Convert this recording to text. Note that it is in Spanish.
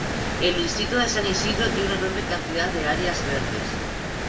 El distrito de San Isidro tiene una enorme cantidad de áreas verdes.